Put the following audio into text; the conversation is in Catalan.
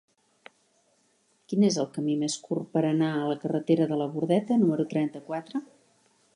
Quin és el camí més curt per anar a la carretera de la Bordeta número trenta-quatre?